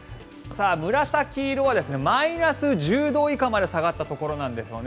紫色はマイナス１０度以下まで下がったところなんですよね。